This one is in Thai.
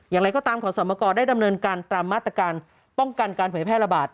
อย่างไรก็ตามขอสมกรได้ดำเนินการตามมาตรการป้องกันการเผยแพร่ระบาด